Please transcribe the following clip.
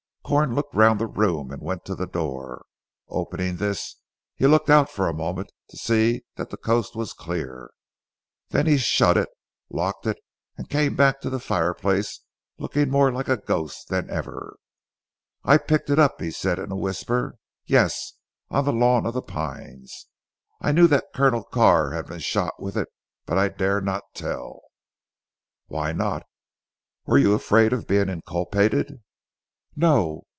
Corn looked round the room, and went to the door. Opening this he looked out for a moment to see that the coast was clear. Then he shut it locked it and came back to the fire place looking more like a ghost than ever. "I picked it up," he said in a whisper, "yes, on the lawn of 'The Pines.' I knew that Colonel Carr had been shot with it. But I dare not tell." "Why not? Were you afraid of being inculpated?" "No."